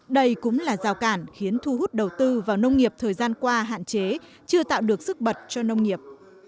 đây cũng là rào cản khiến thu hút đầu tư vào nông nghiệp thời gian qua hạn chế chưa tạo được sức bật cho nông nghiệp